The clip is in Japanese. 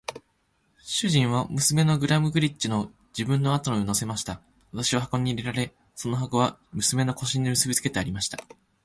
主人は娘のグラムダルクリッチを自分の後に乗せました。私は箱に入れられ、その箱は娘の腰に結びつけてありました。